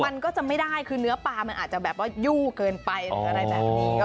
มันก็จะไม่ได้คือเนื้อปลามันอาจจะแบบว่ายู่เกินไปหรืออะไรแบบนี้